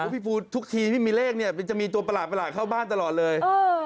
พี่ฟูทุกทีที่มีเลขเนี่ยมันจะมีตัวประหลาดเข้าบ้านตลอดเลย